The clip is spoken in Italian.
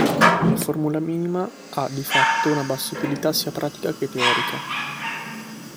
La formula minima ha, di fatto, una bassa utilità sia pratica che teorica.